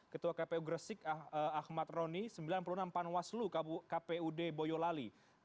ketua kpu gresik ahmad roni sembilan puluh enam panwaslu kpud boyolali